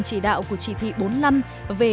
chỉ đạo của chỉ thị bốn năm về